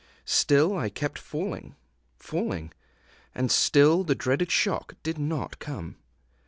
Still I kept falling, falling, and still the dreaded shock did not come.